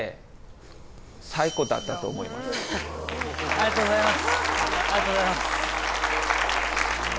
ありがとうございます。